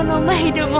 tolong kasih kami waktu